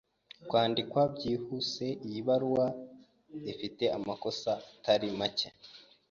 Kwandikwa byihuse, iyi baruwa ifite amakosa atari make.